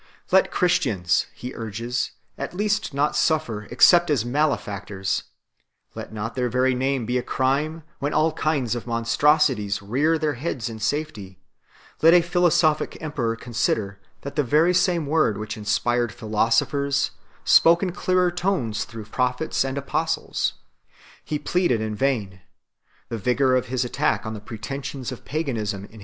Let Christians, he urges, at least not suffer except as male factors ; let not their very name be a crime, when all kinds of monstrosities rear their heads in safety ; let a philosophic emperor consider, that the very same Word which inspired philosophers spoke in clearer tones through the whole Epistle is a forgery of H. Stephens. A Euseb. //. E. iv.